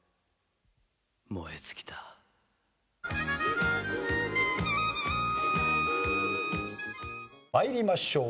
「燃え尽きた」参りましょう。